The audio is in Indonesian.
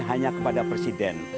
hanya kepada presiden